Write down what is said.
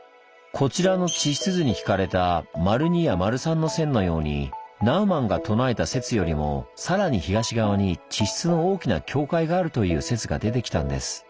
こちらの地質図に引かれた②や③の線のようにナウマンが唱えた説よりも更に東側に地質の大きな境界があるという説が出てきたんです。